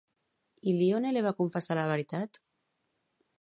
Ilíone li va confessar la veritat?